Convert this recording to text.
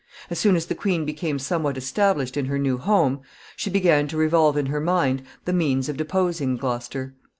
As soon as the queen became somewhat established in her new home, she began to revolve in her mind the means of deposing Gloucester.